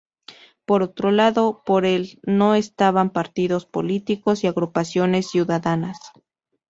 Por otro lado, por el No estaban partidos políticos y agrupaciones ciudadanas.